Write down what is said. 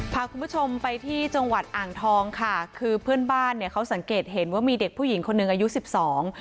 พาคุณผู้ชมไปที่จังหวัดอ่างทองค่ะคือเพื่อนบ้านเนี่ยเขาสังเกตเห็นว่ามีเด็กผู้หญิงคนหนึ่งอายุสิบสอง